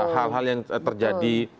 hal hal yang terjadi